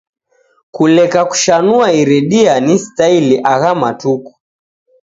Kuleka kushanua iridia ni staili agha matuku